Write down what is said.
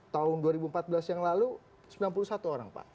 tahun dua ribu empat belas yang lalu sembilan puluh satu orang pak